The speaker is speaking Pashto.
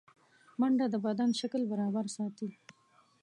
منډه د بدن شکل برابر ساتي